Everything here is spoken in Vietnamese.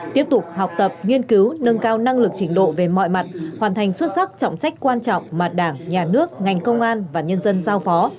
tiếp tục học tập nghiên cứu nâng cao năng lực trình độ về mọi mặt hoàn thành xuất sắc trọng trách quan trọng mà đảng nhà nước ngành công an và nhân dân giao phó